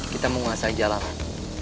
kita menguasai jalanan